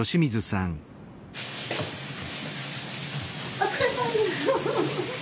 お疲れさまです。